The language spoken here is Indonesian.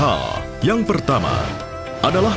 sebagai bagian dari bauran kebijakan bank indonesia